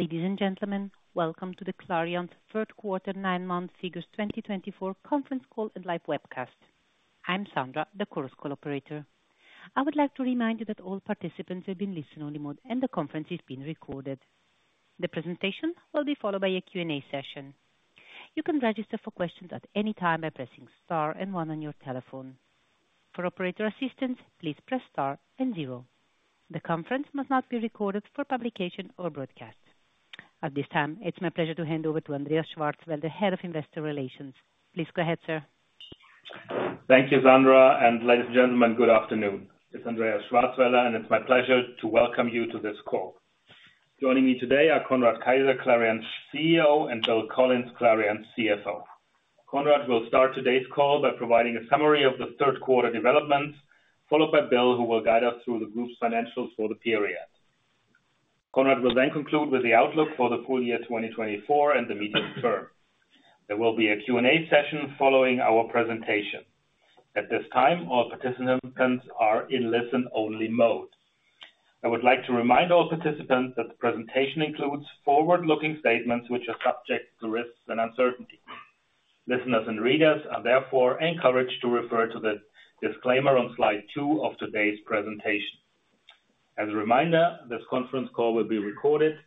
Ladies and gentlemen, welcome to Clariant's third quarter, nine-month figures 2024 conference call and live webcast. I'm Sandra, the conference operator. I would like to remind you that all participants have been placed on listen-only mode, and the conference is being recorded. The presentation will be followed by a Q&A session. You can register for questions at any time by pressing star and one on your telephone. For operator assistance, please press star and zero. The conference must not be recorded for publication or broadcast. At this time, it's my pleasure to hand over to Andreas Schwarzwälder, Head of Investor Relations. Please go ahead, sir. Thank you, Sandra. And ladies and gentlemen, good afternoon. It's Andreas Schwarzwälder, and it's my pleasure to welcome you to this call. Joining me today are Conrad Keijzer, Clariant's CEO, and Bill Collins, Clariant's CFO. Conrad will start today's call by providing a summary of the third quarter developments, followed by Bill, who will guide us through the group's financials for the period. Conrad will then conclude with the outlook for the full year 2024 and the medium term. There will be a Q&A session following our presentation. At this time, all participants are in listen-only mode. I would like to remind all participants that the presentation includes forward-looking statements which are subject to risks and uncertainty. Listeners and readers are therefore encouraged to refer to the disclaimer on slide two of today's presentation. As a reminder, this conference call will be recorded.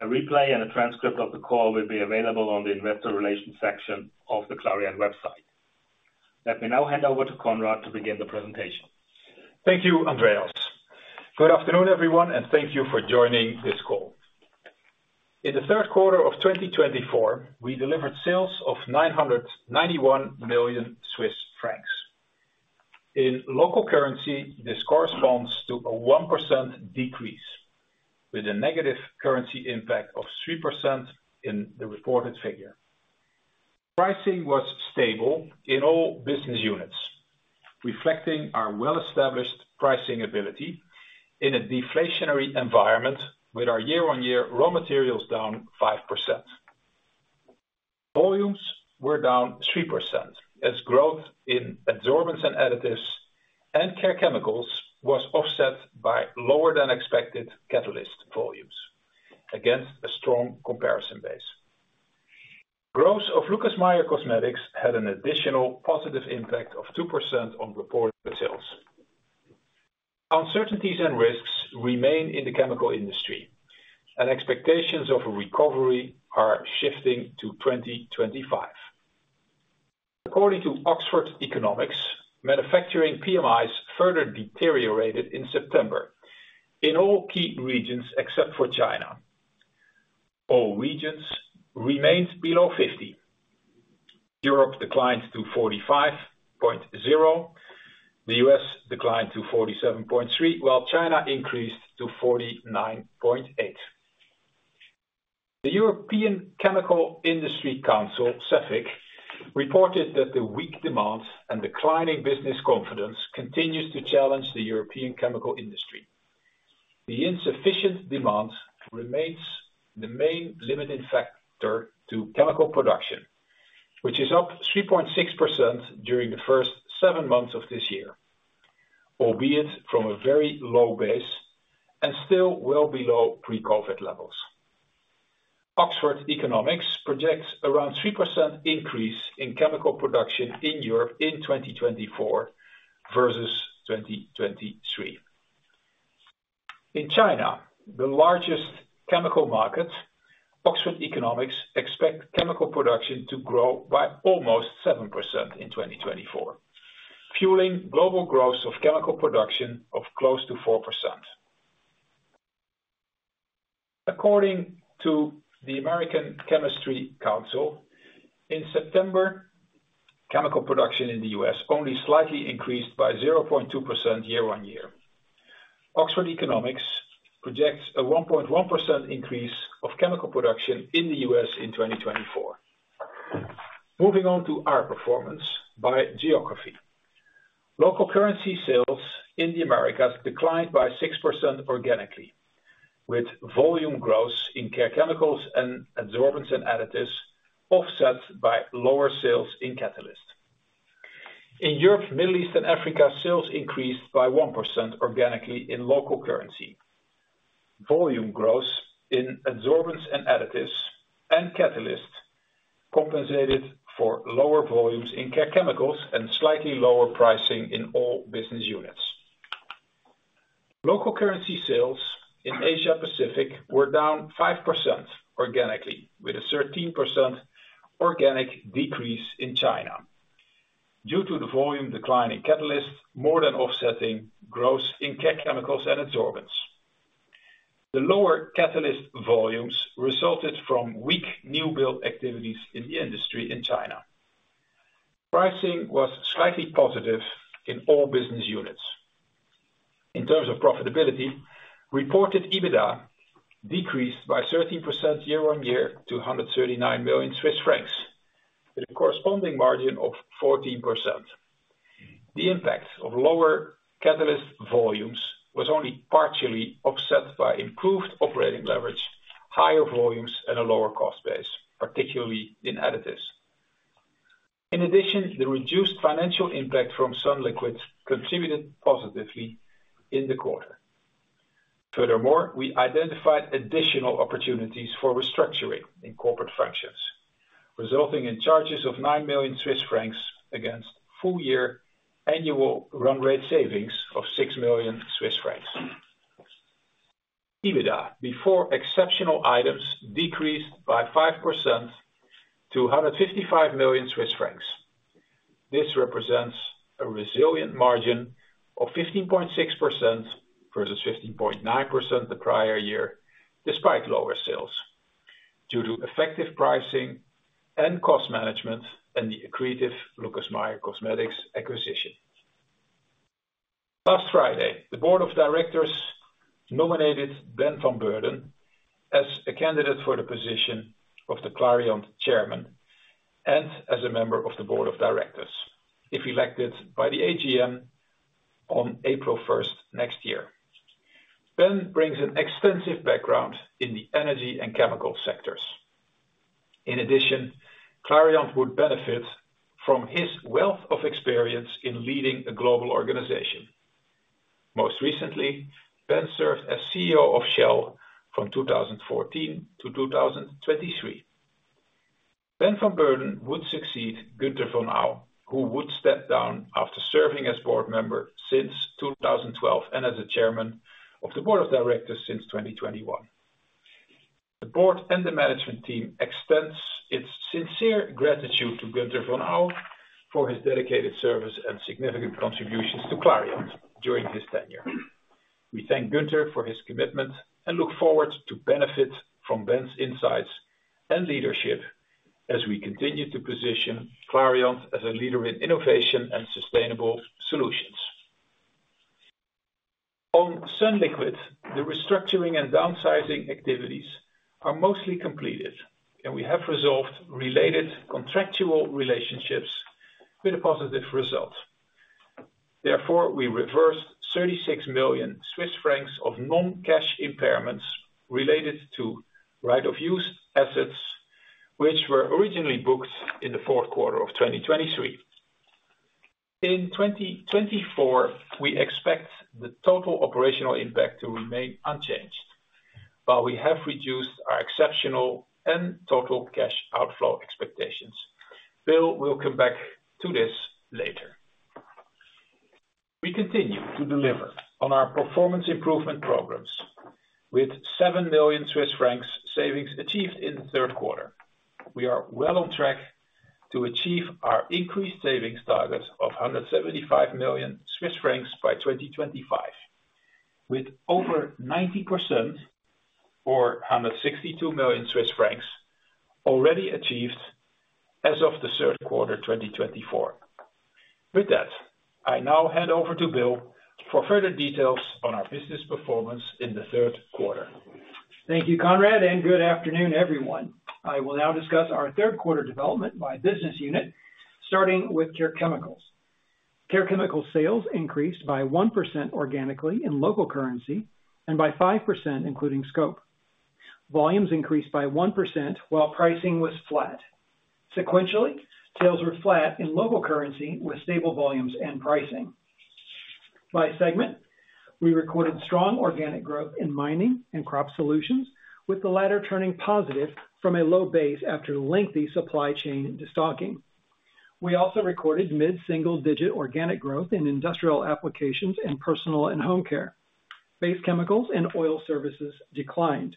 A replay and a transcript of the call will be available on the Investor Relations section of the Clariant website. Let me now hand over to Conrad to begin the presentation. Thank you, Andreas. Good afternoon, everyone, and thank you for joining this call. In the third quarter of 2024, we delivered sales of 991 million Swiss francs. In local currency, this corresponds to a 1% decrease, with a negative currency impact of 3% in the reported figure. Pricing was stable in all business units, reflecting our well-established pricing ability in a deflationary environment, with our year-on-year raw materials down 5%. Volumes were down 3%, as growth in Adsorbents and Additives and Care Chemicals was offset by lower-than-expected Catalyst volumes against a strong comparison base. Growth of Lucas Meyer Cosmetics had an additional positive impact of 2% on reported sales. Uncertainties and risks remain in the chemical industry, and expectations of a recovery are shifting to 2025. According to Oxford Economics, manufacturing PMIs further deteriorated in September in all key regions except for China. All regions remained below 50. Europe declined to 45.0. The U.S. declined to 47.3, while China increased to 49.8. The European Chemical Industry Council, CEFIC, reported that the weak demand and declining business confidence continue to challenge the European chemical industry. The insufficient demand remains the main limiting factor to chemical production, which is up 3.6% during the first seven months of this year, albeit from a very low base and still well below pre-COVID levels. Oxford Economics projects around a 3% increase in chemical production in Europe in 2024 versus 2023. In China, the largest chemical market, Oxford Economics expects chemical production to grow by almost 7% in 2024, fueling global growth of chemical production of close to 4%. According to the American Chemistry Council, in September, chemical production in the U.S. only slightly increased by 0.2% year-on-year. Oxford Economics projects a 1.1% increase of chemical production in the U.S. in 2024. Moving on to our performance by geography, local currency sales in the Americas declined by 6% organically, with volume growth in Care Chemicals and Adsorbents and Additives offset by lower sales in Catalysts. In Europe, Middle East, and Africa, sales increased by 1% organically in local currency. Volume growth in Adsorbents and Additives and Catalysts compensated for lower volumes in Care Chemicals and slightly lower pricing in all business units. Local currency sales in Asia-Pacific were down 5% organically, with a 13% organic decrease in China due to the volume decline in Catalysts more than offsetting growth in Care Chemicals and Adsorbents. The lower catalyst volumes resulted from weak new build activities in the industry in China. Pricing was slightly positive in all business units. In terms of profitability, reported EBITDA decreased by 13% year-on-year to 139 million Swiss francs, with a corresponding margin of 14%. The impact of lower catalyst volumes was only partially offset by improved operating leverage, higher volumes, and a lower cost base, particularly in additives. In addition, the reduced financial impact from sunliquid contributed positively in the quarter. Furthermore, we identified additional opportunities for restructuring in corporate functions, resulting in charges of 9 million Swiss francs against full-year annual run rate savings of 6 million Swiss francs. EBITDA before exceptional items decreased by 5% to 155 million Swiss francs. This represents a resilient margin of 15.6% versus 15.9% the prior year, despite lower sales due to effective pricing and cost management and the accretive Lucas Meyer Cosmetics acquisition. Last Friday, the Board of Directors nominated Ben van Beurden as a candidate for the position of the Clariant Chairman and as a member of the Board of Directors, if elected by the AGM on April 1st next year. Ben brings an extensive background in the energy and chemical sectors. In addition, Clariant would benefit from his wealth of experience in leading a global organization. Most recently, Ben served as CEO of Shell from 2014 to 2023. Ben van Beurden would succeed Günter von Au, who would step down after serving as board member since 2012 and as the Chairman of the Board of Directors since 2021. The board and the management team extend its sincere gratitude to Günter von Au for his dedicated service and significant contributions to Clariant during his tenure. We thank Günter for his commitment and look forward to benefiting from Ben's insights and leadership as we continue to position Clariant as a leader in innovation and sustainable solutions. On sunliquid, the restructuring and downsizing activities are mostly completed, and we have resolved related contractual relationships with a positive result. Therefore, we reversed 36 million Swiss francs of non-cash impairments related to right-of-use assets, which were originally booked in the fourth quarter of 2023. In 2024, we expect the total operational impact to remain unchanged, while we have reduced our exceptional and total cash outflow expectations. Bill will come back to this later. We continue to deliver on our performance improvement programs with 7 million Swiss francs savings achieved in the third quarter. We are well on track to achieve our increased savings target of 175 million Swiss francs by 2025, with over 90% or 162 million Swiss francs already achieved as of the third quarter 2024. With that, I now hand over to Bill for further details on our business performance in the third quarter. Thank you, Conrad, and good afternoon, everyone. I will now discuss our third quarter development by business unit, starting with Care Chemicals. Care Chemicals sales increased by 1% organically in local currency and by 5%, including scope. Volumes increased by 1% while pricing was flat. Sequentially, sales were flat in local currency with stable volumes and pricing. By segment, we recorded strong organic growth in mining and crop solutions, with the latter turning positive from a low base after lengthy supply chain destocking. We also recorded mid-single-digit organic growth in industrial applications and personal and home care. Base chemicals and oil services declined.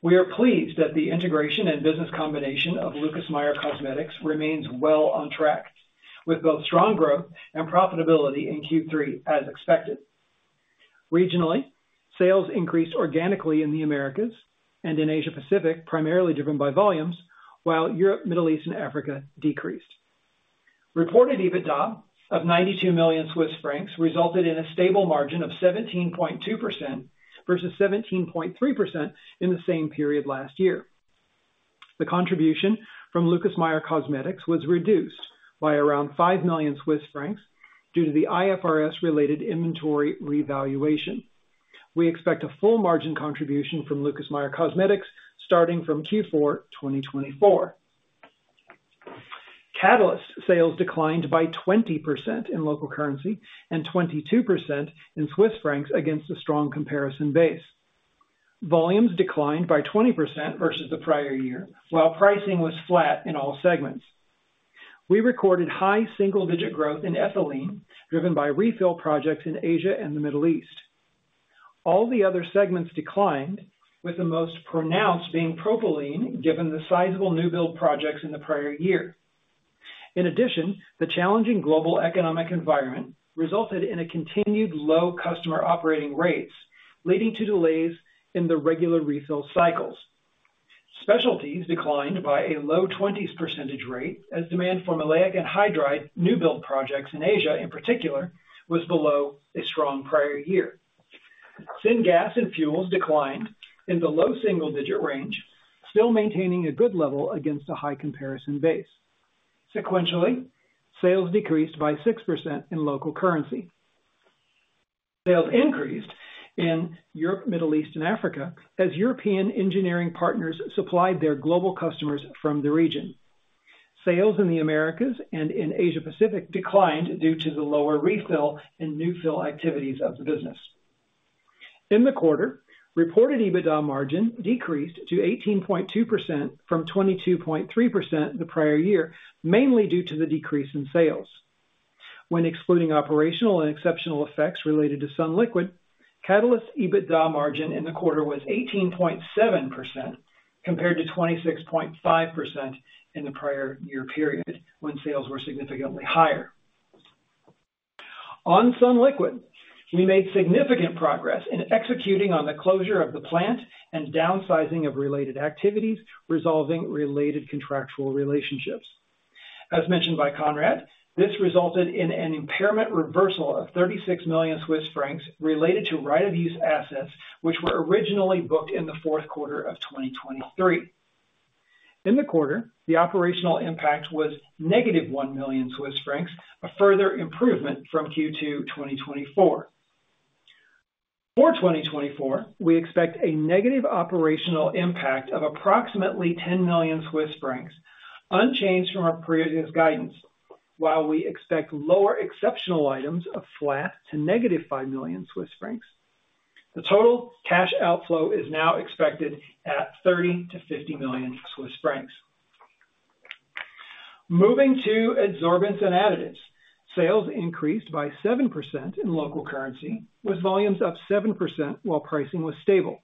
We are pleased that the integration and business combination of Lucas Meyer Cosmetics remains well on track, with both strong growth and profitability in Q3, as expected. Regionally, sales increased organically in the Americas and in Asia-Pacific, primarily driven by volumes, while Europe, Middle East, and Africa decreased. Reported EBITDA of 92 million Swiss francs resulted in a stable margin of 17.2% versus 17.3% in the same period last year. The contribution from Lucas Meyer Cosmetics was reduced by around 5 million Swiss francs due to the IFRS-related inventory revaluation. We expect a full margin contribution from Lucas Meyer Cosmetics starting from Q4 2024. Catalyst sales declined by 20% in local currency and 22% in CHF against a strong comparison base. Volumes declined by 20% versus the prior year, while pricing was flat in all segments. We recorded high single-digit growth in ethylene, driven by refill projects in Asia and the Middle East. All the other segments declined, with the most pronounced being propylene, given the sizable new build projects in the prior year. In addition, the challenging global economic environment resulted in a continued low customer operating rates, leading to delays in the regular refill cycles. Specialties declined by a low 20% percentage rate, as demand for maleic anhydride new build projects in Asia, in particular, was below a strong prior year. Syngas and fuels declined in the low single-digit range, still maintaining a good level against a high comparison base. Sequentially, sales decreased by 6% in local currency. Sales increased in Europe, Middle East, and Africa as European engineering partners supplied their global customers from the region. Sales in the Americas and in Asia-Pacific declined due to the lower refill and new fill activities of the business. In the quarter, reported EBITDA margin decreased to 18.2% from 22.3% the prior year, mainly due to the decrease in sales. When excluding operational and exceptional effects related to sunliquid, Catalysts EBITDA margin in the quarter was 18.7% compared to 26.5% in the prior year period, when sales were significantly higher. On sunliquid, we made significant progress in executing on the closure of the plant and downsizing of related activities, resolving related contractual relationships. As mentioned by Conrad, this resulted in an impairment reversal of 36 million Swiss francs related to right-of-use assets, which were originally booked in the fourth quarter of 2023. In the quarter, the operational impact was negative 1 million Swiss francs, a further improvement from Q2 2024. For 2024, we expect a negative operational impact of approximately 10 million Swiss francs, unchanged from our previous guidance, while we expect lower exceptional items of flat to negative 5 million Swiss francs. The total cash outflow is now expected at 30 million-50 million Swiss francs. Moving to Adsorbents and Additives, sales increased by 7% in local currency, with volumes up 7% while pricing was stable.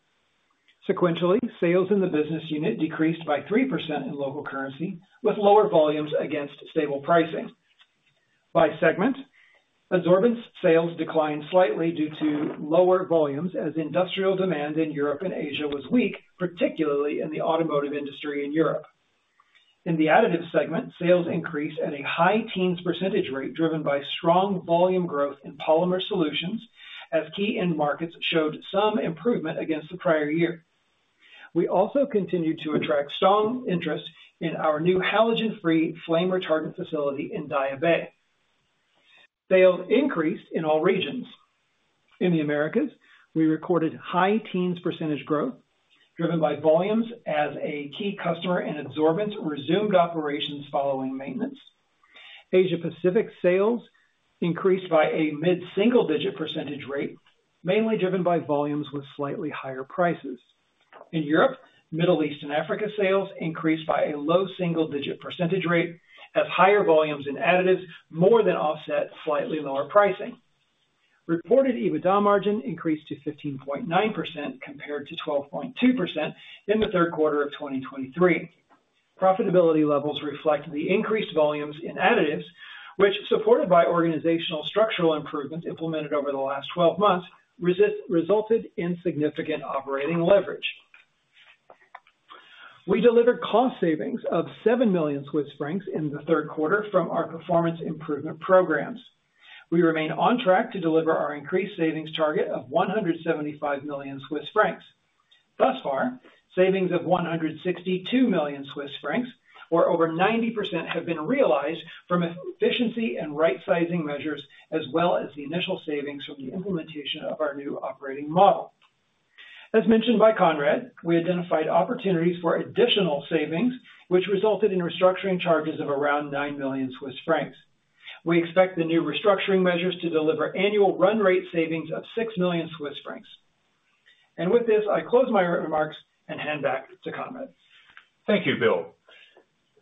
Sequentially, sales in the business unit decreased by 3% in local currency, with lower volumes against stable pricing. By segment, Adsorbents sales declined slightly due to lower volumes as industrial demand in Europe and Asia was weak, particularly in the automotive industry in Europe. In the Additives segment, sales increased at a high teens % rate, driven by strong volume growth in polymer solutions, as key end markets showed some improvement against the prior year. We also continued to attract strong interest in our new halogen-free flame retardant facility in Daya Bay. Sales increased in all regions. In the Americas, we recorded high teens % growth, driven by volumes as a key customer in Adsorbents resumed operations following maintenance. Asia-Pacific sales increased by a mid-single-digit % rate, mainly driven by volumes with slightly higher prices. In Europe, Middle East and Africa sales increased by a low single-digit percentage rate, as higher volumes and additives more than offset slightly lower pricing. Reported EBITDA margin increased to 15.9% compared to 12.2% in the third quarter of 2023. Profitability levels reflect the increased volumes in additives, which, supported by organizational structural improvements implemented over the last 12 months, resulted in significant operating leverage. We delivered cost savings of 7 million Swiss francs in the third quarter from our performance improvement programs. We remain on track to deliver our increased savings target of 175 million Swiss francs. Thus far, savings of 162 million Swiss francs, or over 90%, have been realized from efficiency and right-sizing measures, as well as the initial savings from the implementation of our new operating model. As mentioned by Conrad, we identified opportunities for additional savings, which resulted in restructuring charges of around 9 million Swiss francs. We expect the new restructuring measures to deliver annual run rate savings of 6 million Swiss francs. And with this, I close my remarks and hand back to Conrad. Thank you, Bill.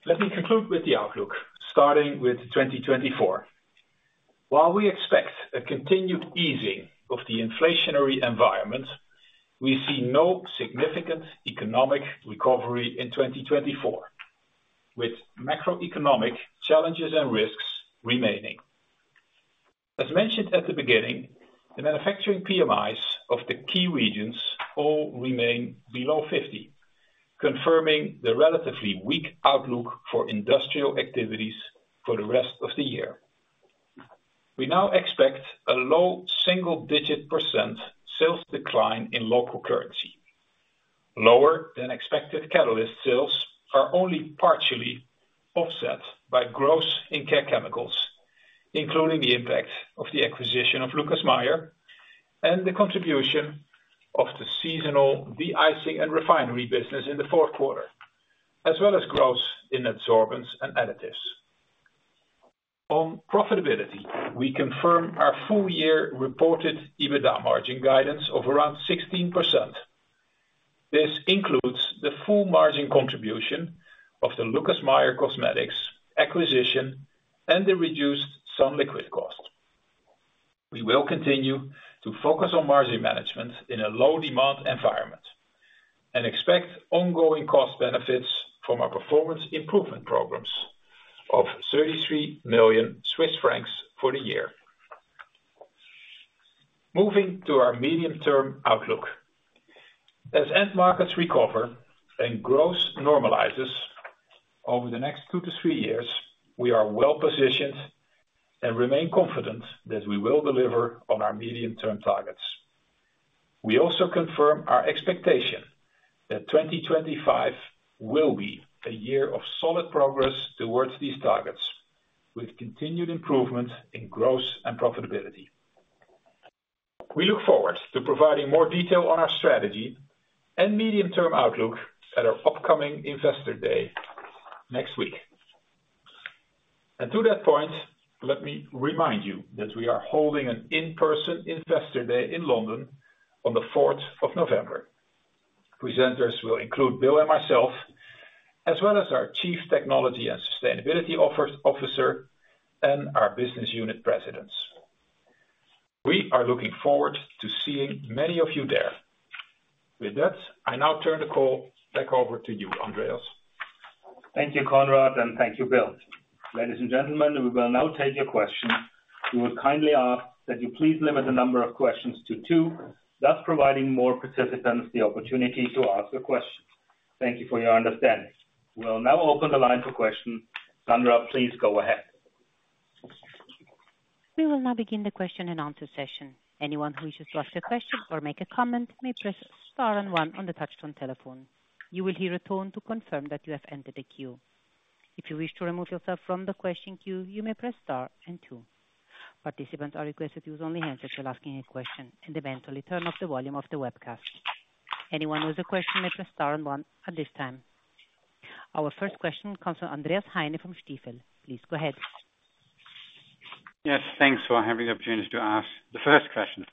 Let me conclude with the outlook, starting with 2024. While we expect a continued easing of the inflationary environment, we see no significant economic recovery in 2024, with macroeconomic challenges and risks remaining. As mentioned at the beginning, the manufacturing PMIs of the key regions all remain below 50, confirming the relatively weak outlook for industrial activities for the rest of the year. We now expect a low single-digit % sales decline in local currency. Lower than expected, catalyst sales are only partially offset by growth in care chemicals, including the impact of the acquisition of Lucas Meyer and the contribution of the seasonal de-icing and refinery business in the fourth quarter, as well as growth in adsorbents and additives. On profitability, we confirm our full-year reported EBITDA margin guidance of around 16%. This includes the full margin contribution of the Lucas Meyer Cosmetics acquisition and the reduced sunliquid cost. We will continue to focus on margin management in a low-demand environment and expect ongoing cost benefits from our performance improvement programs of 33 million Swiss francs for the year. Moving to our medium-term outlook, as end markets recover and growth normalizes over the next two to three years, we are well positioned and remain confident that we will deliver on our medium-term targets. We also confirm our expectation that 2025 will be a year of solid progress towards these targets, with continued improvement in growth and profitability. We look forward to providing more detail on our strategy and medium-term outlook at our upcoming Investor Day next week. And to that point, let me remind you that we are holding an in-person Investor Day in London on the 4th of November. Presenters will include Bill and myself, as well as our Chief Technology and Sustainability Officer and our business unit presidents. We are looking forward to seeing many of you there. With that, I now turn the call back over to you, Andreas. Thank you, Conrad, and thank you, Bill. Ladies and gentlemen, we will now take your questions. We would kindly ask that you please limit the number of questions to two, thus providing more participants the opportunity to ask a question. Thank you for your understanding. We'll now open the line for questions. Sandra, please go ahead. We will now begin the question and answer session. Anyone who wishes to ask a question or make a comment may press star and one on the touchscreen telephone. You will hear a tone to confirm that you have entered the queue. If you wish to remove yourself from the question queue, you may press star and two. Participants are requested to use only the handset if you're asking a question and eventually turn off the volume of the webcast. Anyone who has a question may press star and one at this time. Our first question comes from Andreas Heine from Stifel. Please go ahead. Yes, thanks for having the opportunity to ask the first question.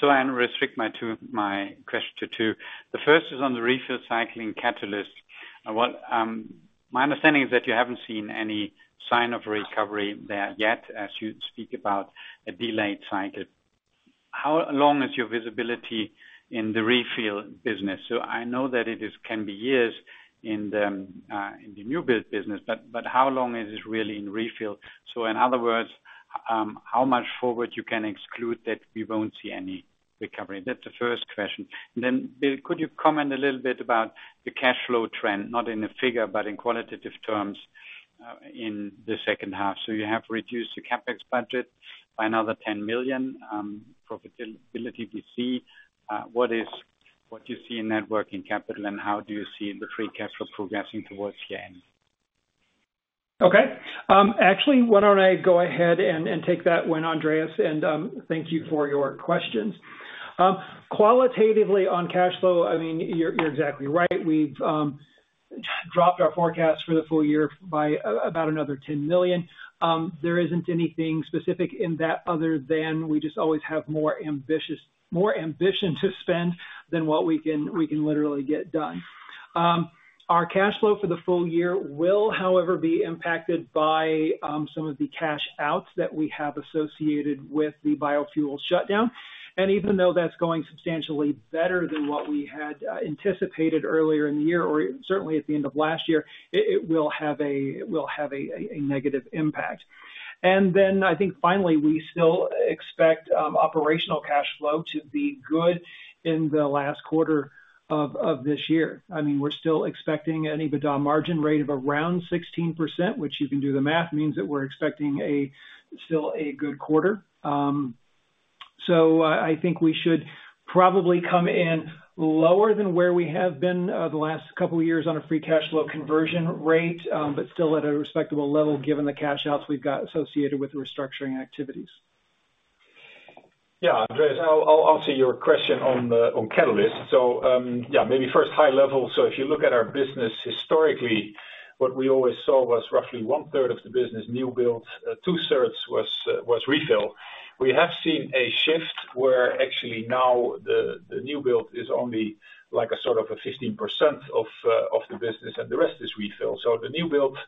So I'll restrict my question to two. The first is on the refill cycle in catalyst. My understanding is that you haven't seen any sign of recovery there yet, as you speak about a delayed cycle. How long is your visibility in the refill business? So I know that it can be years in the new build business, but how long is it really in refill? So in other words, how much forward you can exclude that we won't see any recovery? That's the first question. Then, Bill, could you comment a little bit about the cash flow trend, not in a figure, but in qualitative terms, in the second half? So you have reduced the CapEx budget by another 10 million. Profitability, we see. What do you see in net working capital, and how do you see the free cash flow progressing towards the end? Okay. Actually, why don't I go ahead and take that one, Andreas, and thank you for your questions. Qualitatively, on cash flow, I mean, you're exactly right. We've dropped our forecast for the full year by about another 10 million. There isn't anything specific in that other than we just always have more ambition to spend than what we can literally get done. Our cash flow for the full year will, however, be impacted by some of the cash outs that we have associated with the biofuel shutdown. And even though that's going substantially better than what we had anticipated earlier in the year, or certainly at the end of last year, it will have a negative impact. And then I think, finally, we still expect operational cash flow to be good in the last quarter of this year. I mean, we're still expecting an EBITDA margin rate of around 16%, which, you can do the math, means that we're expecting still a good quarter. So I think we should probably come in lower than where we have been the last couple of years on a free cash flow conversion rate, but still at a respectable level, given the cash outs we've got associated with restructuring activities. Yeah, Andreas, I'll answer your question on catalysts. So yeah, maybe first, high level. So if you look at our business historically, what we always saw was roughly one-third of the business new builds, two-thirds was refill. We have seen a shift where actually now the new build is only like a sort of 15% of the business, and the rest is refill. So the new build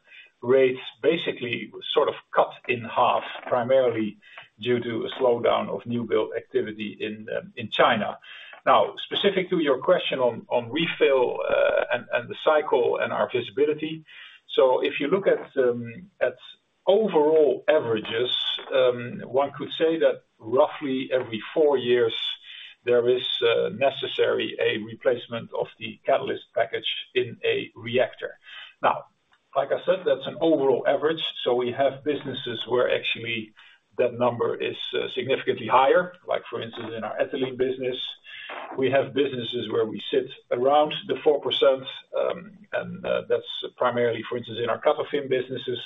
rates basically sort of cut in half, primarily due to a slowdown of new build activity in China. Now, specific to your question on refill and the cycle and our visibility, so if you look at overall averages, one could say that roughly every four years, there is necessary a replacement of the catalyst package in a reactor. Now, like I said, that's an overall average. So we have businesses where actually that number is significantly higher, like for instance, in our ethylene business. We have businesses where we sit around the 4%, and that's primarily, for instance, in our Catofin businesses.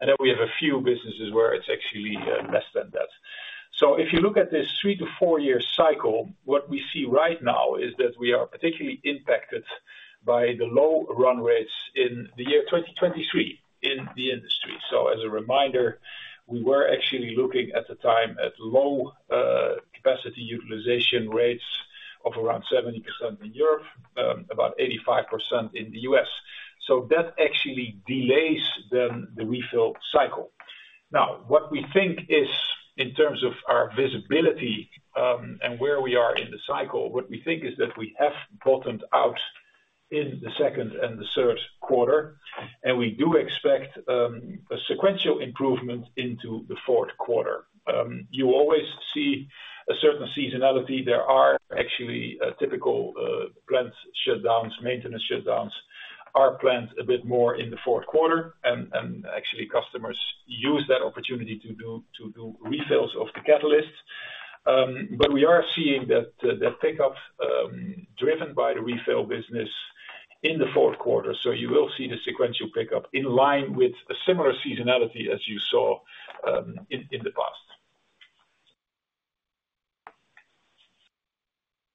And then we have a few businesses where it's actually less than that. So if you look at this three to four-year cycle, what we see right now is that we are particularly impacted by the low run rates in the year 2023 in the industry. So as a reminder, we were actually looking at the time at low capacity utilization rates of around 70% in Europe, about 85% in the U.S. So that actually delays then the refill cycle. Now, what we think is, in terms of our visibility and where we are in the cycle, what we think is that we have bottomed out in the second and the third quarter, and we do expect a sequential improvement into the fourth quarter. You always see a certain seasonality. There are actually typical plant shutdowns, maintenance shutdowns. Our plant is a bit more in the fourth quarter, and actually customers use that opportunity to do refills of the catalysts. But we are seeing that pickup driven by the refill business in the fourth quarter. So you will see the sequential pickup in line with a similar seasonality as you saw in the past.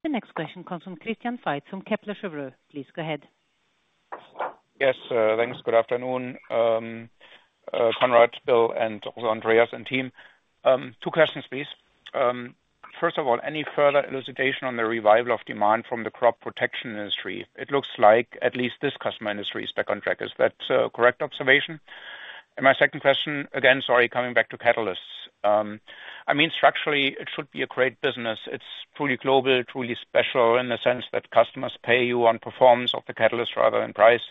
The next question comes from Christian Faitz from Kepler Cheuvreux. Please go ahead. Yes, thanks. Good afternoon, Conrad, Bill, and also Andreas and team. Two questions, please. First of all, any further elucidation on the revival of demand from the crop protection industry? It looks like at least this customer industry is back on track. Is that a correct observation? And my second question, again, sorry, coming back to catalysts. I mean, structurally, it should be a great business. It's truly global, truly special in the sense that customers pay you on performance of the catalyst rather than price,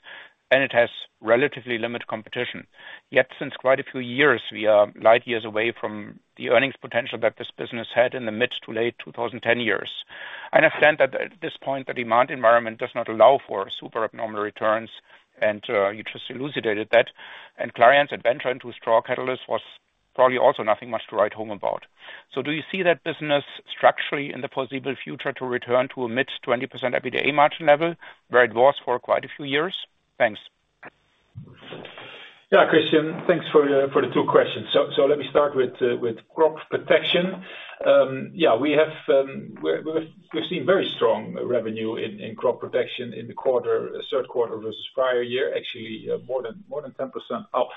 and it has relatively limited competition. Yet since quite a few years, we are light years away from the earnings potential that this business had in the mid to late 2010 years. I understand that at this point, the demand environment does not allow for super abnormal returns, and you just elucidated that. Clariant's adventure into our Catalysts was probably also nothing much to write home about. Do you see that business structurally in the foreseeable future to return to a mid-20% EBITDA margin level where it was for quite a few years? Thanks. Yeah, Christian, thanks for the two questions. So let me start with crop protection. Yeah, we've seen very strong revenue in crop protection in the third quarter versus prior year, actually more than 10% up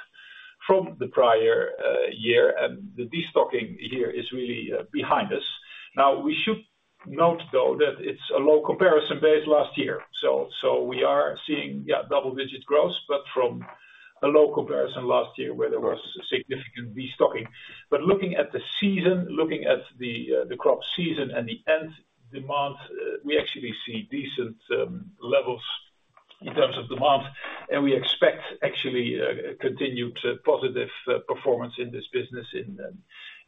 from the prior year. And the destocking here is really behind us. Now, we should note, though, that it's a low comparison based last year. So we are seeing double-digit growth, but from a low comparison last year where there was significant destocking. But looking at the season, looking at the crop season and the end demand, we actually see decent levels in terms of demand, and we expect actually continued positive performance in this business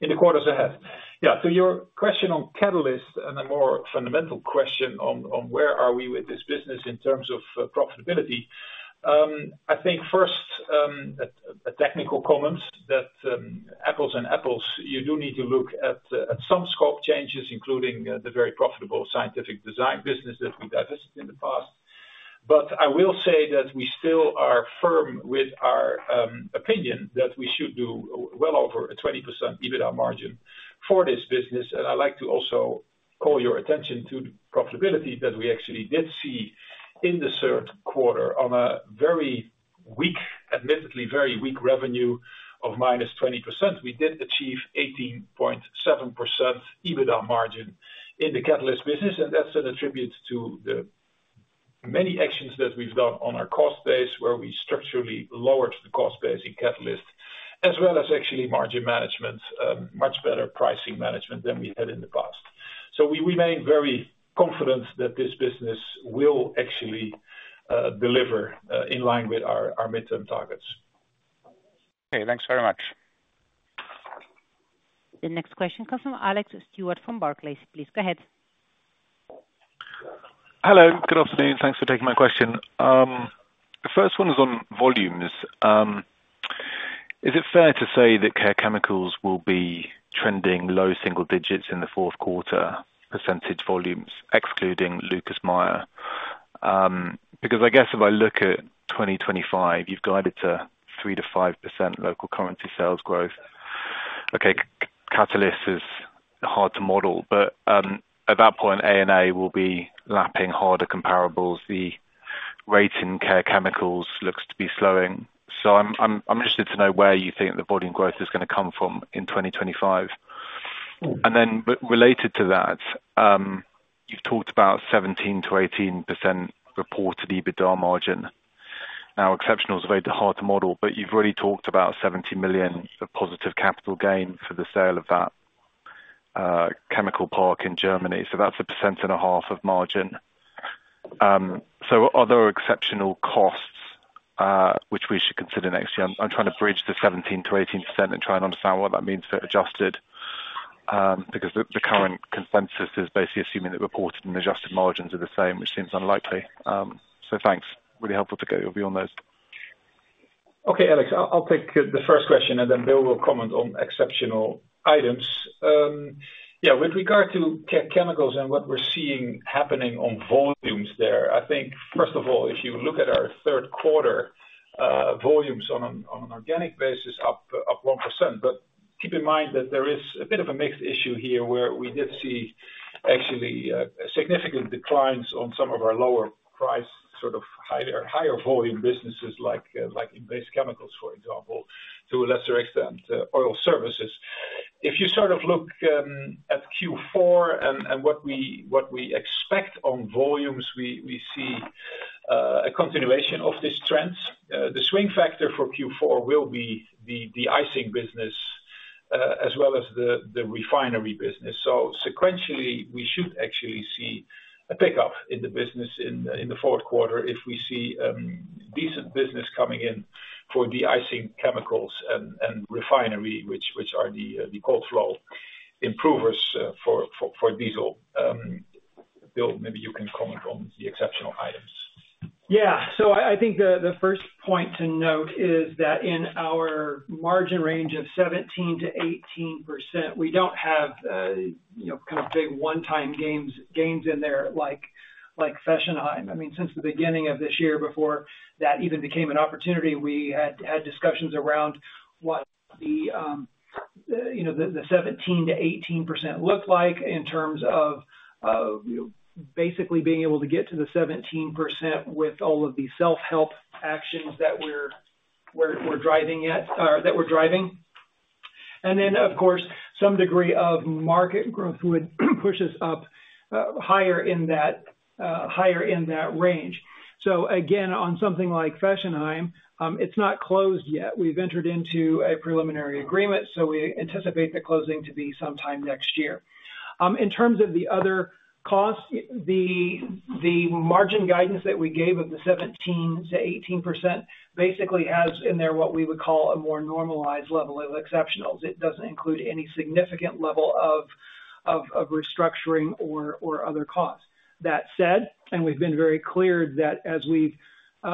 in the quarters ahead. Yeah, to your question on catalysts and a more fundamental question on where are we with this business in terms of profitability, I think first, a technical comment that apples to apples, you do need to look at some scope changes, including the very profitable Scientific Design business that we've done in the past, but I will say that we still are firm with our opinion that we should do well over a 20% EBITDA margin for this business, and I'd like to also call your attention to the profitability that we actually did see in the third quarter on a very weak, admittedly very weak revenue of minus 20%. We did achieve 18.7% EBITDA margin in the catalyst business, and that's attributable to the many actions that we've done on our cost base, where we structurally lowered the cost base in catalyst, as well as actually margin management, much better pricing management than we had in the past. So we remain very confident that this business will actually deliver in line with our midterm targets. Okay, thanks very much. The next question comes from Alex Stewart from Barclays. Please go ahead. Hello, good afternoon. Thanks for taking my question. The first one is on volumes. Is it fair to say that Care Chemicals will be trending low single digits in the fourth quarter percentage volumes, excluding Lucas Meyer? Because I guess if I look at 2025, you've guided to 3%-5% local currency sales growth. Okay, Catalysts is hard to model, but at that point, maleic anhydride will be lapping harder comparables. The rate in Care Chemicals looks to be slowing. So I'm interested to know where you think the volume growth is going to come from in 2025. And then related to that, you've talked about 17%-18% reported EBITDA margin. Now, exceptionals are very hard to model, but you've already talked about 70 million of positive capital gain for the sale of that chemical park in Germany. So that's 1.5% of margin. Are there exceptional costs which we should consider next year? I'm trying to bridge the 17%-18% and try and understand what that means for adjusted because the current consensus is basically assuming that reported and adjusted margins are the same, which seems unlikely. Thanks. Really helpful to get your view on those. Okay, Alex, I'll take the first question, and then Bill will comment on exceptional items. Yeah, with regard to Care Chemicals and what we're seeing happening on volumes there, I think, first of all, if you look at our third quarter volumes on an organic basis, up 1%. But keep in mind that there is a bit of a mixed issue here where we did see actually significant declines on some of our lower price, sort of higher volume businesses like in Base Chemicals, for example, to a lesser extent, oil services. If you sort of look at Q4 and what we expect on volumes, we see a continuation of this trend. The swing factor for Q4 will be the de-icing business as well as the refinery business. So sequentially, we should actually see a pickup in the business in the fourth quarter if we see decent business coming in for the de-icing chemicals and refinery, which are the cold flow improvers for diesel. Bill, maybe you can comment on the exceptional items. Yeah, so I think the first point to note is that in our margin range of 17%-18%, we don't have kind of big one-time gains in there like Fechenheim. I mean, since the beginning of this year, before that even became an opportunity, we had discussions around what the 17%-18% looked like in terms of basically being able to get to the 17% with all of the self-help actions that we're driving yet or that we're driving. And then, of course, some degree of market growth would push us up higher in that range. So again, on something like Fechenheim, it's not closed yet. We've entered into a preliminary agreement, so we anticipate the closing to be sometime next year. In terms of the other costs, the margin guidance that we gave of the 17%-18% basically has in there what we would call a more normalized level of exceptionals. It doesn't include any significant level of restructuring or other costs. That said, and we've been very clear that as we've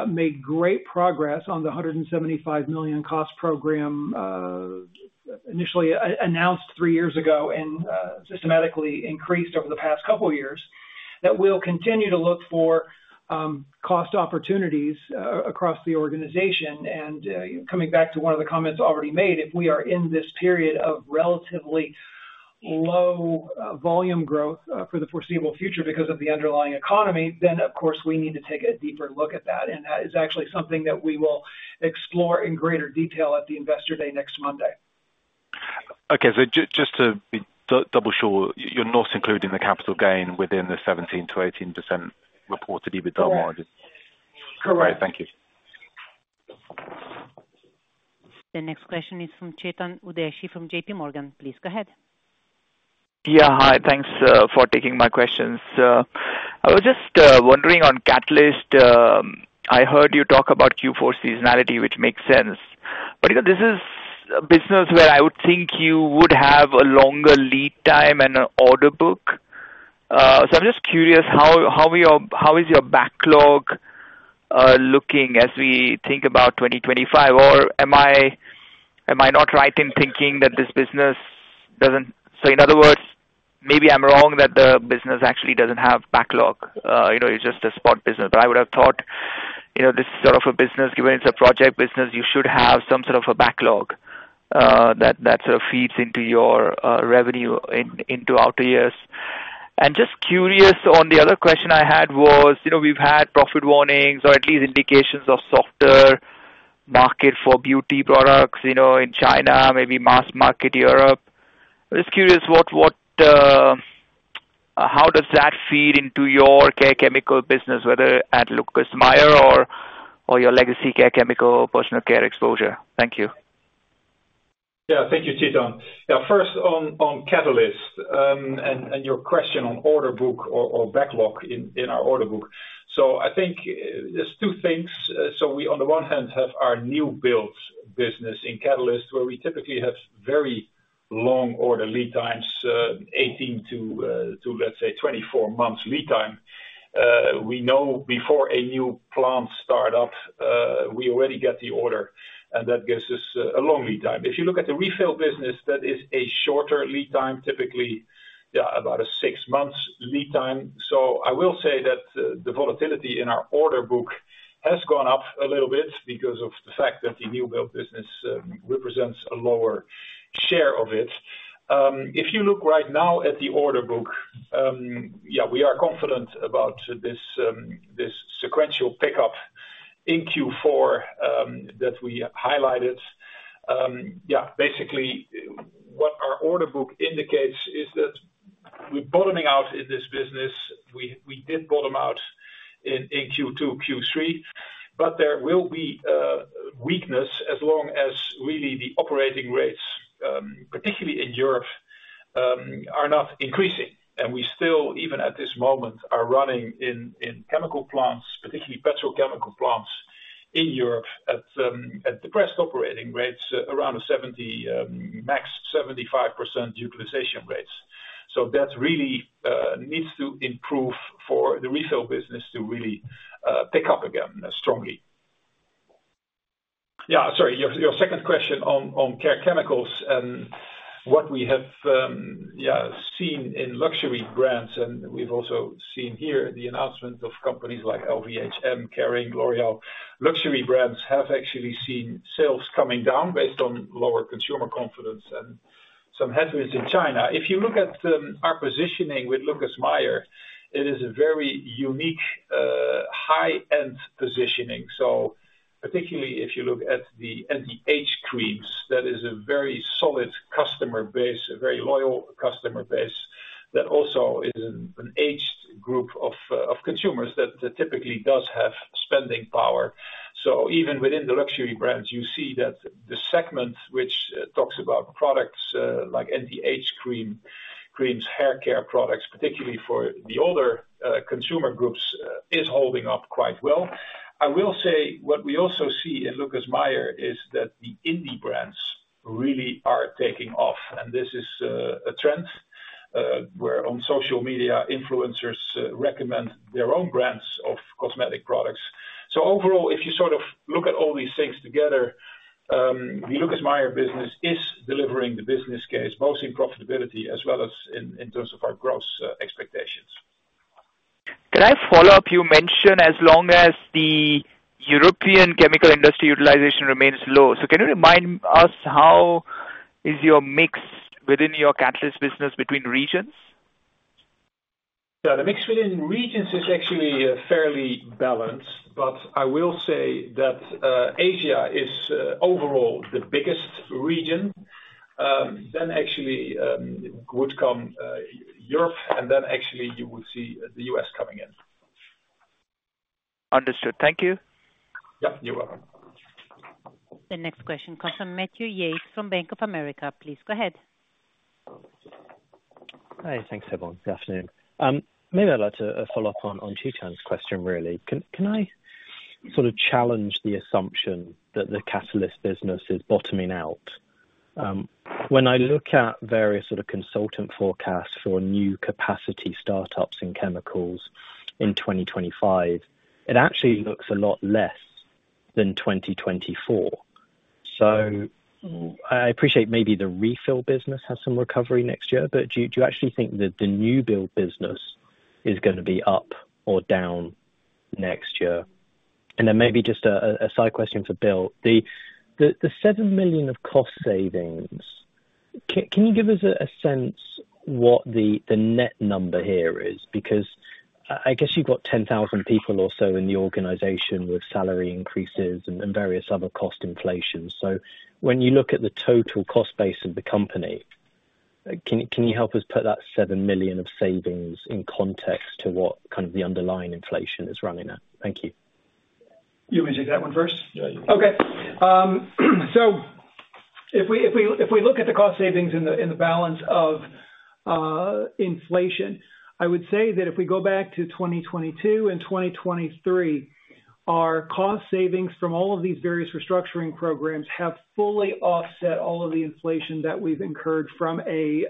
made great progress on the 175 million cost program initially announced three years ago and systematically increased over the past couple of years, that we'll continue to look for cost opportunities across the organization. Coming back to one of the comments already made, if we are in this period of relatively low volume growth for the foreseeable future because of the underlying economy, then of course, we need to take a deeper look at that. That is actually something that we will explore in greater detail at the investor day next Monday. Okay, so just to double sure, you're not including the capital gain within the 17%-18% reported EBITDA margin? Correct. Okay, thank you. The next question is from Chetan Udeshi from J.P. Morgan. Please go ahead. Yeah, hi, thanks for taking my questions. I was just wondering on Catalysts. I heard you talk about Q4 seasonality, which makes sense. But this is a business where I would think you would have a longer lead time and an order book, so I'm just curious, how is your backlog looking as we think about 2025, or am I not right in thinking that this business doesn't—so in other words, maybe I'm wrong that the business actually doesn't have backlog. It's just a spot business. But I would have thought this sort of a business, given it's a project business, you should have some sort of a backlog that sort of feeds into your revenue into outer years, and just curious, on the other question I had was we've had profit warnings or at least indications of softer market for beauty products in China, maybe mass market Europe. I'm just curious, how does that feed into your Care Chemicals business, whether at Lucas Meyer or your legacy Care Chemicals personal care exposure? Thank you. Yeah, thank you, Chetan. Yeah, first on catalyst and your question on order book or backlog in our order book. So I think there's two things. So we, on the one hand, have our new build business in catalyst where we typically have very long order lead times, 18-24 months lead time. We know before a new plant startup, we already get the order, and that gives us a long lead time. If you look at the refill business, that is a shorter lead time, typically, yeah, about a six-month lead time. So I will say that the volatility in our order book has gone up a little bit because of the fact that the new build business represents a lower share of it. If you look right now at the order book, yeah, we are confident about this sequential pickup in Q4 that we highlighted. Yeah, basically, what our order book indicates is that we're bottoming out in this business. We did bottom out in Q2, Q3, but there will be weakness as long as really the operating rates, particularly in Europe, are not increasing. And we still, even at this moment, are running in chemical plants, particularly petrochemical plants in Europe at depressed operating rates, around 70, max 75% utilization rates. So that really needs to improve for the refill business to really pick up again strongly. Yeah, sorry, your second question on Care Chemicals and what we have, yeah, seen in luxury brands, and we've also seen here the announcement of companies like LVMH, Kering, L'Oréal. Luxury brands have actually seen sales coming down based on lower consumer confidence and some headwinds in China. If you look at our positioning with Lucas Meyer, it is a very unique high-end positioning. So particularly if you look at the anti-aging creams, that is a very solid customer base, a very loyal customer base that also is an aged group of consumers that typically does have spending power. So even within the luxury brands, you see that the segment which talks about products like anti-aging creams, hair care products, particularly for the older consumer groups, is holding up quite well. I will say what we also see in Lucas Meyer is that the indie brands really are taking off, and this is a trend where on social media, influencers recommend their own brands of cosmetic products. So overall, if you sort of look at all these things together, the Lucas Meyer business is delivering the business case, both in profitability as well as in terms of our growth expectations. Can I follow up? You mentioned as long as the European chemical industry utilization remains low. So can you remind us how is your mix within your catalyst business between regions? Yeah, the mix within regions is actually fairly balanced, but I will say that Asia is overall the biggest region, then actually would come Europe, and then actually you would see the U.S. coming in. Understood. Thank you. Yep, you're welcome. The next question comes from Matthew Yates from Bank of America. Please go ahead. Hi, thanks everyone. Good afternoon. Maybe I'd like to follow up on Chetan's question, really. Can I sort of challenge the assumption that the catalyst business is bottoming out? When I look at various sort of consultant forecasts for new capacity startups in chemicals in 2025, it actually looks a lot less than 2024. So I appreciate maybe the refinery business has some recovery next year, but do you actually think that the new build business is going to be up or down next year? And then maybe just a side question for Bill. The 7 million of cost savings, can you give us a sense what the net number here is? Because I guess you've got 10,000 people or so in the organization with salary increases and various other cost inflations. So when you look at the total cost base of the company, can you help us put that 7 million of savings in context to what kind of the underlying inflation is running at? Thank you. You want me to take that one first? Yeah, you can. Okay. So if we look at the cost savings in the balance of inflation, I would say that if we go back to 2022 and 2023, our cost savings from all of these various restructuring programs have fully offset all of the inflation that we've incurred from a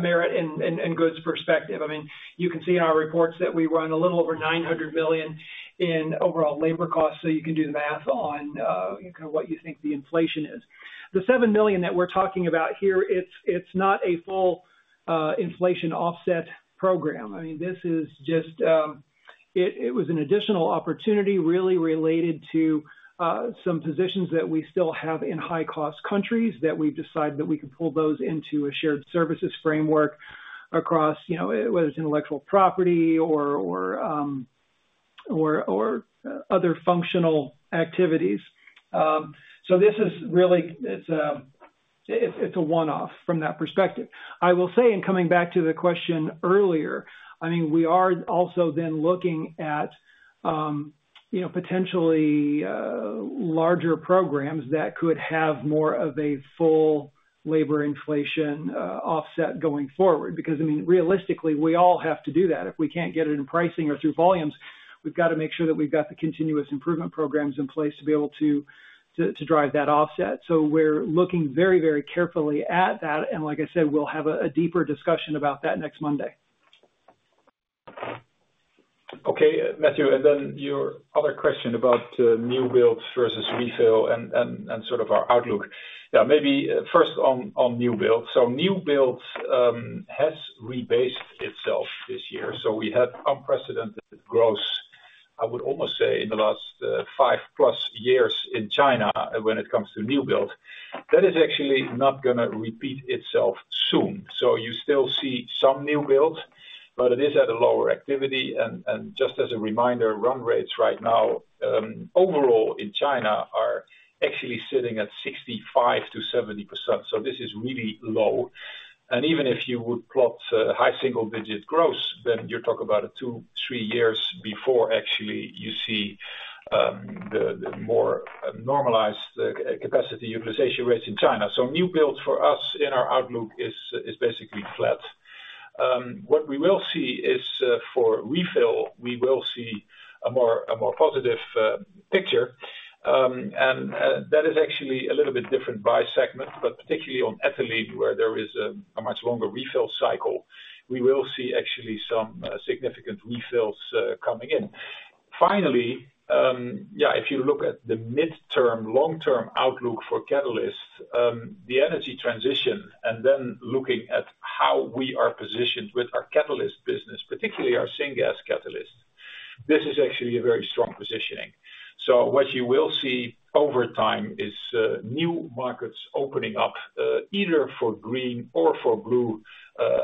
merit and goods perspective. I mean, you can see in our reports that we run a little over 900 million in overall labor costs. So you can do the math on what you think the inflation is. The 7 million that we're talking about here, it's not a full inflation offset program. I mean, this is just it was an additional opportunity really related to some positions that we still have in high-cost countries that we've decided that we can pull those into a shared services framework across whether it's intellectual property or other functional activities. So this is really, it's a one-off from that perspective. I will say, and coming back to the question earlier, I mean, we are also then looking at potentially larger programs that could have more of a full labor inflation offset going forward. Because, I mean, realistically, we all have to do that. If we can't get it in pricing or through volumes, we've got to make sure that we've got the continuous improvement programs in place to be able to drive that offset. So we're looking very, very carefully at that. And like I said, we'll have a deeper discussion about that next Monday. Okay, Matthew, and then your other question about new builds versus refill and sort of our outlook. Yeah, maybe first on new builds. So new builds has rebased itself this year. So we had unprecedented growth, I would almost say, in the last five-plus years in China when it comes to new builds. That is actually not going to repeat itself soon. So you still see some new builds, but it is at a lower activity. And just as a reminder, run rates right now overall in China are actually sitting at 65%-70%. So this is really low. And even if you would plot high single-digit growth, then you're talking about two, three years before actually you see the more normalized capacity utilization rates in China. So new builds for us in our outlook is basically flat. What we will see is for refill, we will see a more positive picture, and that is actually a little bit different by segment, but particularly on ethylene, where there is a much longer refill cycle, we will see actually some significant refills coming in. Finally, yeah, if you look at the midterm, long-term outlook for catalysts, the energy transition, and then looking at how we are positioned with our catalyst business, particularly our syngas catalyst, this is actually a very strong positioning, so what you will see over time is new markets opening up either for green or for blue,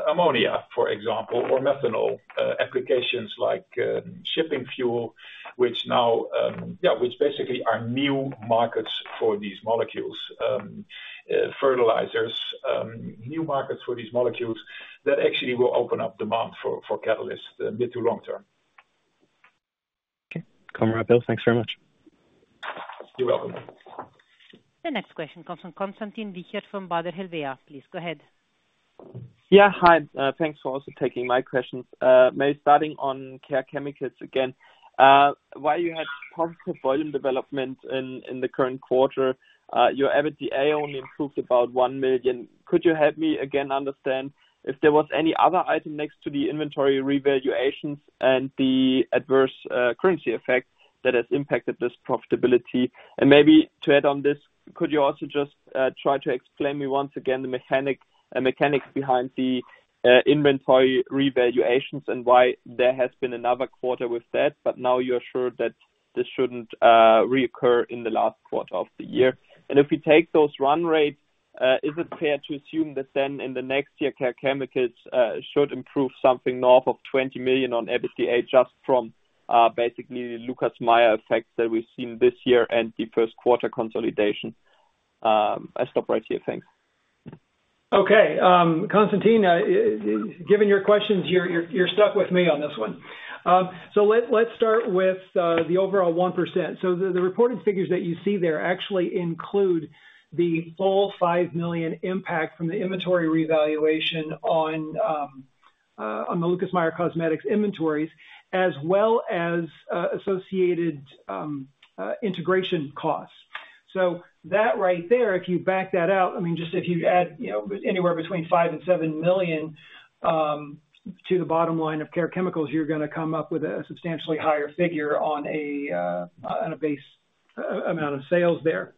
ammonia, for example, or methanol applications like shipping fuel, which now, yeah, which basically are new markets for these molecules, fertilizers, new markets for these molecules that actually will open up demand for catalyst mid to long term. Okay, Conrad, thanks very much. You're welcome. The next question comes from Konstantin Wiechert from Baader Helvea. Please go ahead. Yeah, hi. Thanks for also taking my question. Maybe starting on Care Chemicals again, while you had positive volume development in the current quarter, your EBITDA only improved about 1 million. Could you help me again understand if there was any other item next to the inventory revaluations and the adverse currency effect that has impacted this profitability? And maybe to add on this, could you also just try to explain me once again the mechanics behind the inventory revaluations and why there has been another quarter with that, but now you're sure that this shouldn't reoccur in the last quarter of the year? And if we take those run rates, is it fair to assume that then in the next year, Care Chemicals should improve something north of 20 million on EBITDA just from basically the Lucas Meyer effect that we've seen this year and the first quarter consolidation? I'll stop right here. Thanks. Okay, Konstantin, given your questions, you're stuck with me on this one. So let's start with the overall 1%. So the reported figures that you see there actually include the full 5 million impact from the inventory revaluation on the Lucas Meyer Cosmetics inventories as well as associated integration costs. So that right there, if you back that out, I mean, just if you add anywhere between 5 million and 7 million to the bottom line of Care Chemicals, you're going to come up with a substantially higher figure on a base amount of sales there.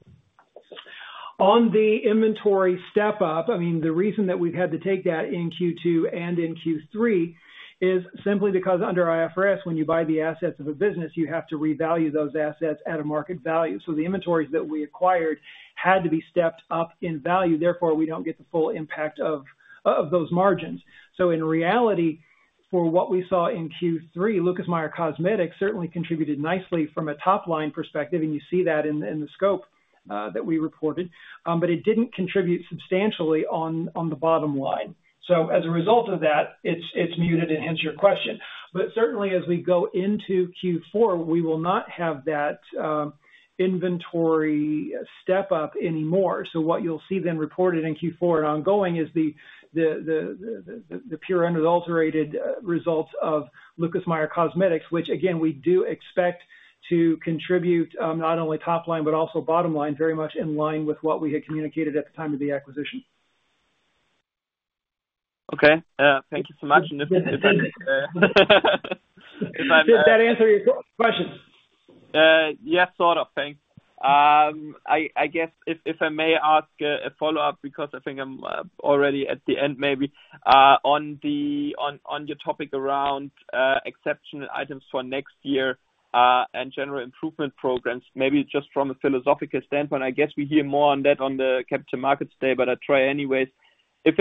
On the inventory step-up, I mean, the reason that we've had to take that in Q2 and in Q3 is simply because under IFRS, when you buy the assets of a business, you have to revalue those assets at a market value. So the inventories that we acquired had to be stepped up in value. Therefore, we don't get the full impact of those margins. So in reality, for what we saw in Q3, Lucas Meyer Cosmetics certainly contributed nicely from a top-line perspective, and you see that in the scope that we reported, but it didn't contribute substantially on the bottom line. So as a result of that, it's muted and hence your question. But certainly, as we go into Q4, we will not have that inventory step-up anymore. So what you'll see then reported in Q4 and ongoing is the pure and unadulterated results of Lucas Meyer Cosmetics, which again, we do expect to contribute not only top line, but also bottom line, very much in line with what we had communicated at the time of the acquisition. Okay, thank you so much. Did that answer your question? Yes, sort of. Thanks. I guess if I may ask a follow-up because I think I'm already at the end maybe. On your topic around exceptional items for next year and general improvement programs, maybe just from a philosophical standpoint, I guess we hear more on that on the capital markets day, but I'll try anyways. I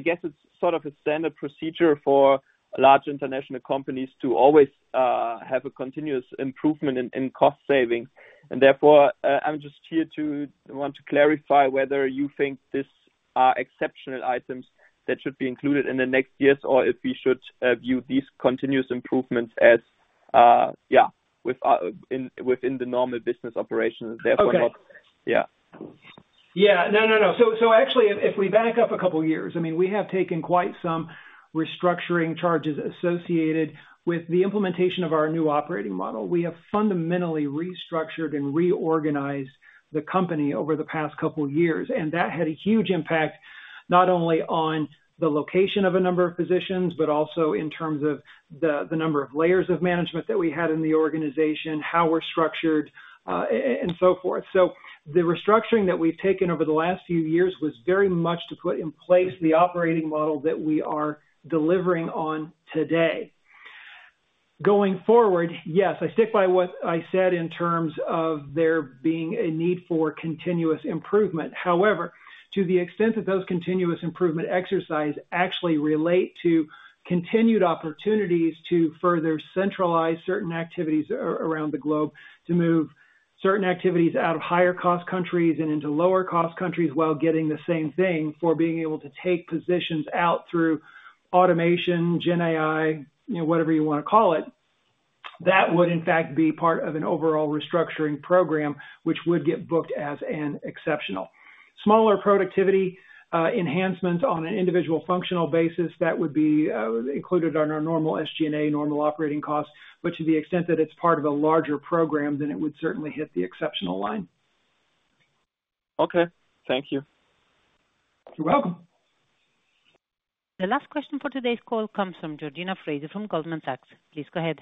guess it's sort of a standard procedure for large international companies to always have a continuous improvement in cost savings. And therefore, I'm just here to want to clarify whether you think these are exceptional items that should be included in the next years or if we should view these continuous improvements as, yeah, within the normal business operations. Therefore, not. Okay. Yeah. Yeah, no, no, no. So actually, if we back up a couple of years, I mean, we have taken quite some restructuring charges associated with the implementation of our new operating model. We have fundamentally restructured and reorganized the company over the past couple of years, and that had a huge impact not only on the location of a number of positions, but also in terms of the number of layers of management that we had in the organization, how we're structured, and so forth. So the restructuring that we've taken over the last few years was very much to put in place the operating model that we are delivering on today. Going forward, yes, I stick by what I said in terms of there being a need for continuous improvement. However, to the extent that those continuous improvement exercises actually relate to continued opportunities to further centralize certain activities around the globe, to move certain activities out of higher-cost countries and into lower-cost countries while getting the same thing for being able to take positions out through automation, GenAI, whatever you want to call it, that would in fact be part of an overall restructuring program, which would get booked as an exceptional. Smaller productivity enhancements on an individual functional basis, that would be included on our normal SG&A, normal operating costs. But to the extent that it's part of a larger program, then it would certainly hit the exceptional line. Okay, thank you. You're welcome. The last question for today's call comes from Georgina Fraser from Goldman Sachs. Please go ahead.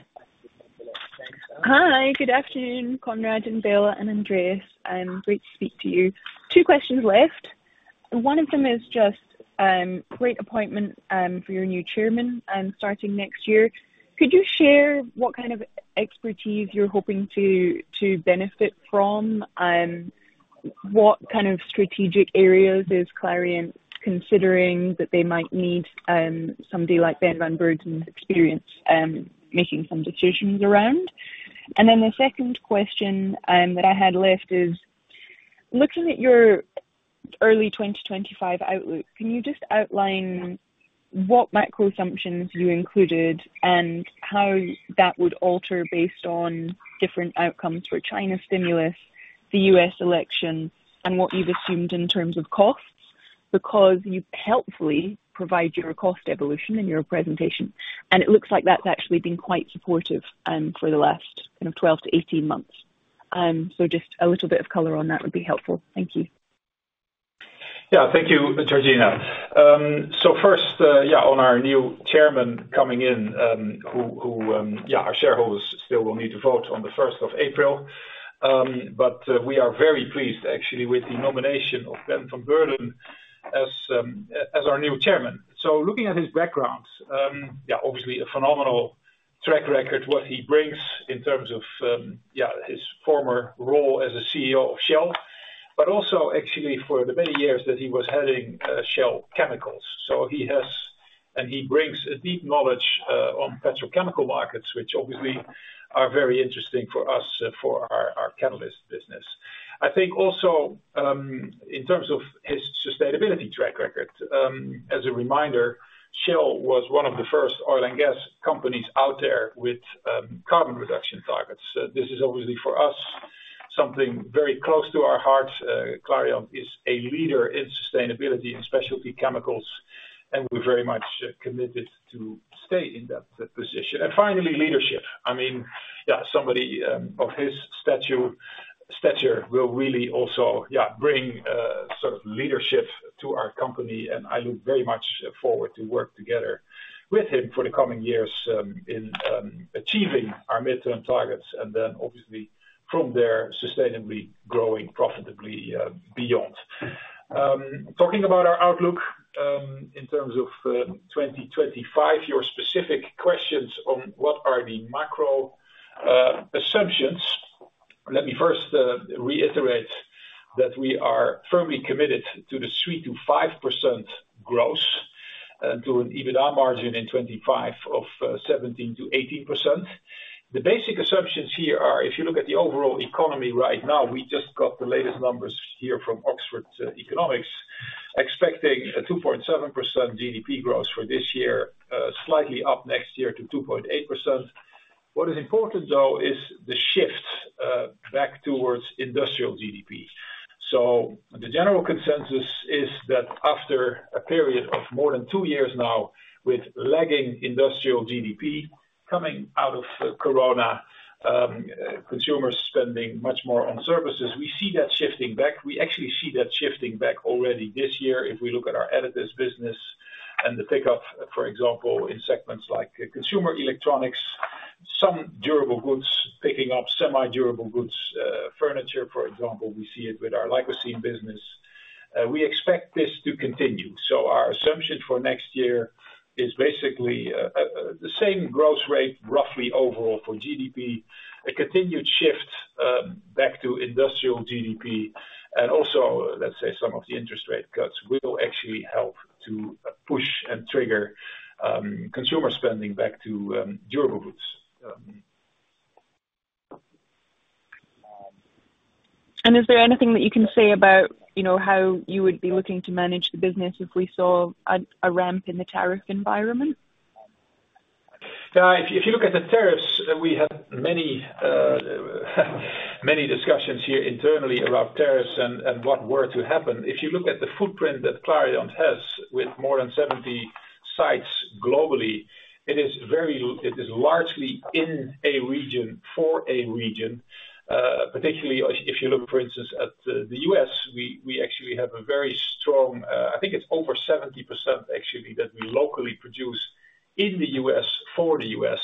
Hi, good afternoon, Conrad Keijzer, and Andreas. Great to speak to you. Two questions left. One of them is just great appointment for your new chairman starting next year. Could you share what kind of expertise you're hoping to benefit from? What kind of strategic areas is Clariant considering that they might need somebody like Ben van Beurden's experience making some decisions around? And then the second question that I had left is, looking at your early 2025 outlook, can you just outline what macro assumptions you included and how that would alter based on different outcomes for China stimulus, the US election, and what you've assumed in terms of costs? Because you helpfully provide your cost evolution in your presentation, and it looks like that's actually been quite supportive for the last kind of 12-18 months. So just a little bit of color on that would be helpful. Thank you. Yeah, thank you, Georgina, so first, yeah, on our new chairman coming in, who, yeah, our shareholders still will need to vote on the 1st of April, but we are very pleased actually with the nomination of Ben van Beurden as our new chairman, so looking at his background, yeah, obviously a phenomenal track record, what he brings in terms of, yeah, his former role as a CEO of Shell, but also actually for the many years that he was heading Shell Chemicals, so he has, and he brings a deep knowledge on petrochemical markets, which obviously are very interesting for us for our catalyst business. I think also in terms of his sustainability track record, as a reminder, Shell was one of the first oil and gas companies out there with carbon reduction targets. This is obviously for us something very close to our hearts. Clariant is a leader in sustainability and specialty chemicals, and we're very much committed to stay in that position. And finally, leadership. I mean, yeah, somebody of his stature will really also, yeah, bring sort of leadership to our company. And I look very much forward to work together with him for the coming years in achieving our midterm targets and then obviously from there sustainably growing profitably beyond. Talking about our outlook in terms of 2025, your specific questions on what are the macro assumptions, let me first reiterate that we are firmly committed to the 3-5% growth and to an EBITDA margin in 25 of 17-18%. The basic assumptions here are, if you look at the overall economy right now, we just got the latest numbers here from Oxford Economics, expecting a 2.7% GDP growth for this year, slightly up next year to 2.8%. What is important, though, is the shift back towards industrial GDP. So the general consensus is that after a period of more than two years now with lagging industrial GDP coming out of Corona, consumers spending much more on services, we see that shifting back. We actually see that shifting back already this year if we look at our Adsorbents business and the pickup, for example, in segments like consumer electronics, some durable goods picking up, semi-durable goods, furniture, for example. We see it with our Licocene business. We expect this to continue. So our assumption for next year is basically the same growth rate roughly overall for GDP, a continued shift back to industrial GDP, and also, let's say, some of the interest rate cuts will actually help to push and trigger consumer spending back to durable goods. Is there anything that you can say about how you would be looking to manage the business if we saw a ramp in the tariff environment? If you look at the tariffs, we had many discussions here internally around tariffs and what were to happen. If you look at the footprint that Clariant has with more than 70 sites globally, it is largely in a region for a region. Particularly if you look, for instance, at the U.S., we actually have a very strong, I think it's over 70% actually that we locally produce in the U.S. for the U.S.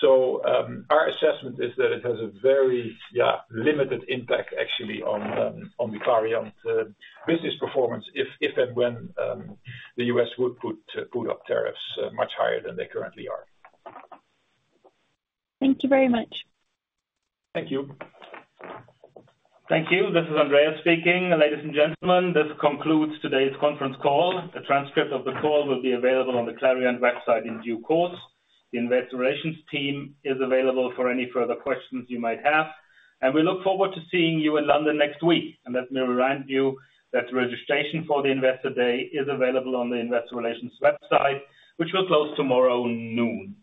So our assessment is that it has a very, yeah, limited impact actually on the Clariant business performance if and when the U.S. would put up tariffs much higher than they currently are. Thank you very much. Thank you. Thank you. This is Andreas speaking. Ladies and gentlemen, this concludes today's conference call. The transcript of the call will be available on the Clariant website in due course. The investor relations team is available for any further questions you might have, and we look forward to seeing you in London next week, and let me remind you that registration for the investor day is available on the investor relations website, which will close tomorrow noon.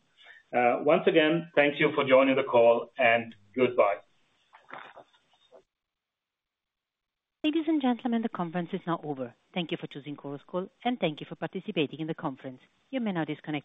Once again, thank you for joining the call and goodbye. Ladies and gentlemen, the conference is now over. Thank you for choosing Chorus Call, and thank you for participating in the conference. You may now disconnect.